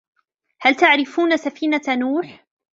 هل تعرفون سفينة نوح؟